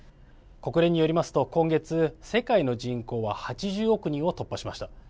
国連によりますと今月、世界の人口は８０億人を突破しました。